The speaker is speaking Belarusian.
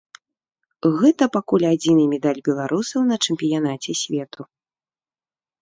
Гэта пакуль адзіны медаль беларусаў на чэмпіянаце свету.